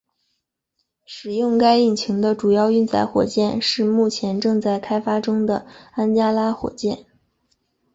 使用该引擎的主要运载火箭是目前正在开发中的安加拉火箭。